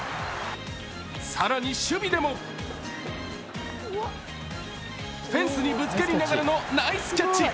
更に、守備でもフェンスにぶつかりながらのナイスキャッチ。